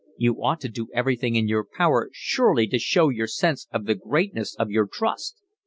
You ought to do everything in your power, surely, to show your sense of the greatness of your trust."